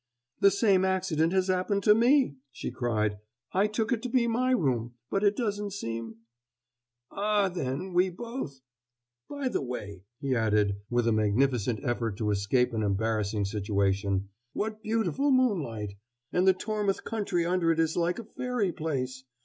"The same accident has happened to me!" she cried. "I took it to be my room, but it doesn't seem " "Ah, then, we both.... By the way," he added, with a magnificent effort to escape an embarrassing situation, "what beautiful moonlight! And the Tormouth country under it is like a fairy place.